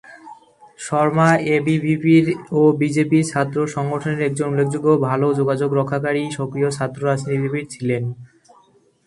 শর্মা এবিভিপি’র ও বিজেপি’র ছাত্র সংগঠনের একজন উল্লেখযোগ্য ভালো যোগাযোগ রক্ষাকারী সক্রিয় ছাত্র রাজনীতিবিদ ছিলেন।